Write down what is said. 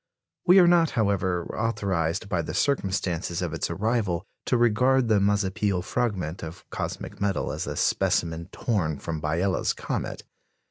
We are not, however, authorised by the circumstances of its arrival to regard the Mazapil fragment of cosmic metal as a specimen torn from Biela's comet.